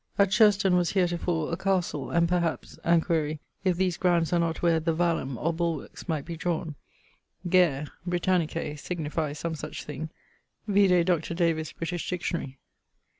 At Sherston was heretofore a castle, and perhaps (and quaere) if these grounds are not where the vallum or bulwarkes might be drawne. Gaer, Britannicè, signifies some such thing, vide Dr. Davys' British Dictionary.